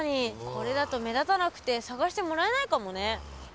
これだと目立たなくて探してもらえないかもね。